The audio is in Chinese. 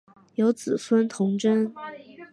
有子孙同珍。